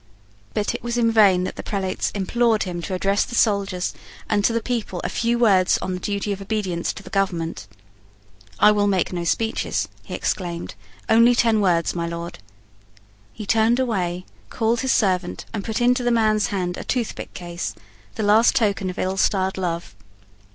But it was in vain that the prelates implored him to address to the soldiers and to the people a few words on the duty of obedience to the government. "I will make no speeches," he exclaimed. "Only ten words, my Lord." He turned away, called his servant, and put into the man's hand a toothpick case, the last token of ill starred love.